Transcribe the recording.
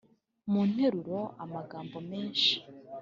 . Mu nteruro, amagambo menshi